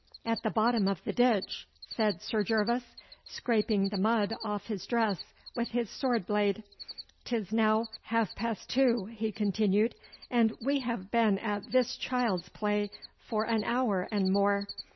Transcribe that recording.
'At the bottom of the ditch,' said Sir Gervas, scraping the mud off his dress with his sword blade. ''Tis now half past two,' he continued, 'and we have been at this child's play for an hour and more.